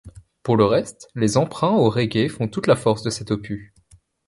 Pour le reste, les emprunts au reggae font toute la force de cet opus.